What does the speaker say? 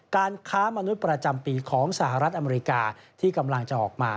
การค้ามนุษย์ประจำปีของสหรัฐอเมริกาที่กำลังจะออกมา